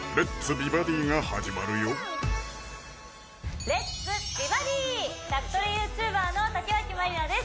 美バディ」宅トレＹｏｕＴｕｂｅｒの竹脇まりなです